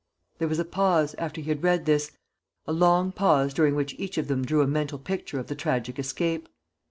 There was a pause, after he had read this, a long pause during which each of them drew a mental picture of the tragic escape.